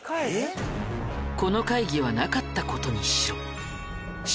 この会議はなかったことにしろ。